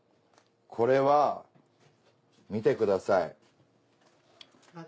これは見てください。